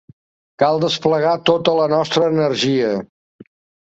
Cal desplegar tota la nostra energia.